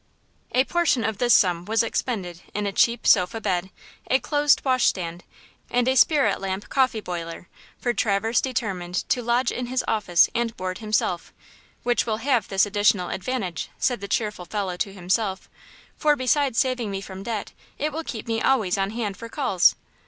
A portion of this sum was expended in a cheap sofa bedstead, a closed washstand, and a spirit lamp coffee boiler, for Traverse determined to lodge in his office and board himself–"which will have this additional advantage," said the cheerful fellow to himself–"for besides saving me from debt, it will keep me always on hand for calls."